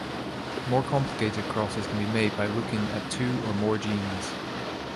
More complicated crosses can be made by looking at two or more genes.